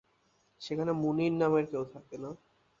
সেখানে মুনির নামের কেউ থাকে না!